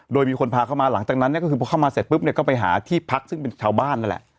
โดยมีคนพาเข้ามาหลังจากนั้นเนี่ยก็คือพอเข้ามาเสร็จปุ๊บเนี่ยก็ไปหาที่พักซึ่งเป็นชาวบ้านนั่นแหละ